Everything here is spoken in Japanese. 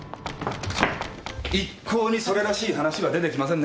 一向にそれらしい話は出てきませんね。